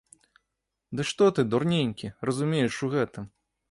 Ды што ты, дурненькі, разумееш у гэтым?